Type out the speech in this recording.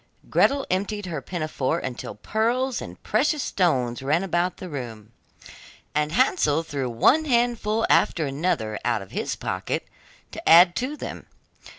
Gretel emptied her pinafore until pearls and precious stones ran about the room, and Hansel threw one handful after another out of his pocket to add to them.